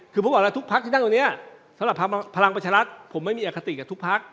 คือผมบอกแล้วทุกพักที่นั่งตรงนี้สำหรับพลังประชารัฐผมไม่มีอคติกับทุกพัก